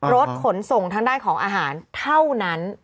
รถขนส่งทางด้านของอาหารเท่านั้น